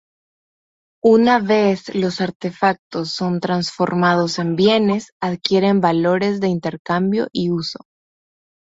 Una vez los artefactos son transformados en bienes, adquieren valores de intercambio y uso.